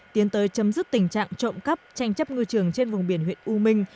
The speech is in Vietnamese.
tiến tới chấm dứt tình trạng trộm cắp tranh chấp ngư trường trên vùng biển huyện u minh